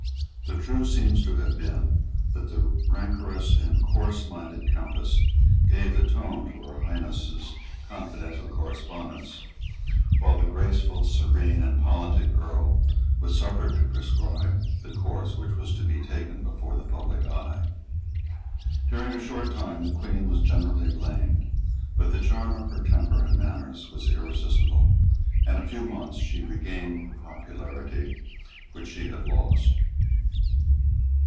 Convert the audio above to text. The truth seems to have been that the rancorous and coarseminded Countess gave the tone to Her Highness's confidential correspondence, while the graceful, serene and politic Earl was suffered to prescribe the course which was to be taken before the public eye. During a short time the Queen was generally blamed. But the charm of her temper and manners was irresistible; and in a few months she regained the popularity which she had lost.